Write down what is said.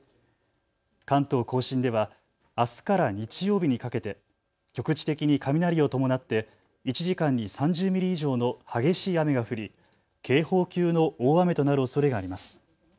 関東甲信ではあすから日曜日にかけて局地的に雷を伴って１時間に３０ミリ以上の激しい雨が降り、警報級の大雨となるおそれがあります。